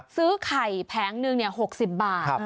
ซื้อไข่แผงหนึ่ง๖๐บาท